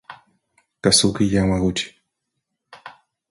Kazuki Yamaguchi